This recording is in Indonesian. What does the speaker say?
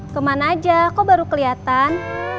kemana aja kok baru kelihatan